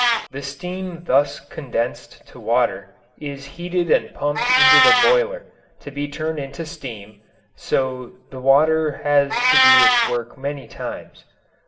The steam thus condensed to water is heated and pumped into the boiler, to be turned into steam, so the water has to do its work many times.